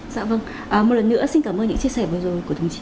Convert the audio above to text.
dạ vâng một lần nữa xin cảm ơn những chia sẻ vừa rồi của đồng chí